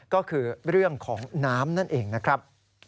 ก็คือเรื่องของน้ำนั่นเองนะครับ